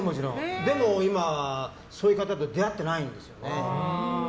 でも、今そういう方と出会ってないんですよね。